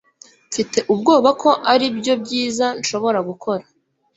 mfite ubwoba ko aribyo byiza nshobora gukora